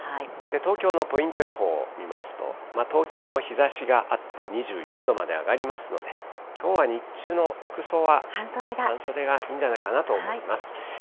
東京のポイント予報見ますと、東京も日ざしがあって、２４度まで上がりますので、きょうは日中の服装は半袖がいいんじゃないかなと思います。